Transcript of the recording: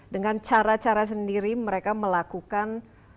dengan cara cara sendiri mereka melakukan